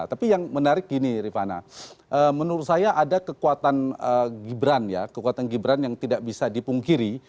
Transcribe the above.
tapi yang menarik gini rifana menurut saya ada kekuatan gibran ya kekuatan gibran yang tidak bisa dipungkiri